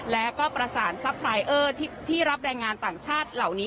และก็ประสานซัพพลายเออร์ที่รับแรงงานต่างชาติเหล่านี้